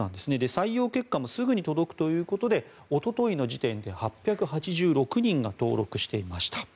採用結果もすぐに届くということでおとといの時点で８８６人が登録していました。